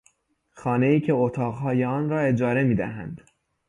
خانهای که اتاقهای آن را اجاره میدهند